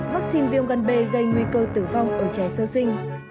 vaccine viêm gần bê gây nguy cơ tử vong ở trẻ sơ sinh